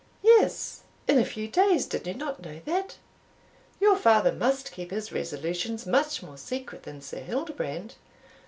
"Yes, in a few days; did you not know that? your father must keep his resolutions much more secret than Sir Hildebrand.